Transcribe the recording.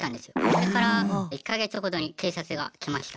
それから１か月後に警察が来ました。